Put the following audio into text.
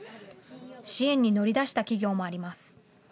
支援に乗り出した企業もあります。